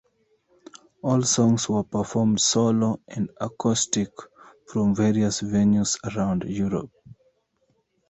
All songs were performed solo and acoustic from various venues around Europe.